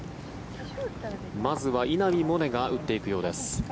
まずは稲見萌寧が打っていくようです。